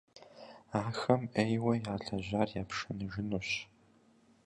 Ахэм Ӏейуэ ялэжьар япшыныжынущ.